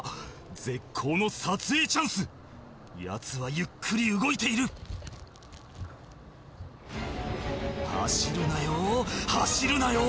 絶好の撮影チャンスやつはゆっくり動いている走るなよ